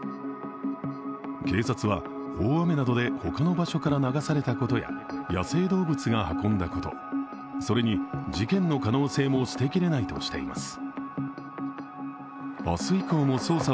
警察は、大雨などでほかの場所から流されたことや、野生動物が運んだこと、それに事件の可能性も捨てきれないとしています。